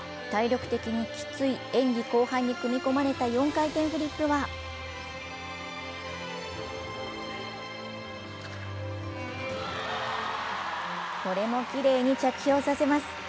体力的にきつい演技後半に組み込まれた４回転フリップはこれもきれいに着氷させます。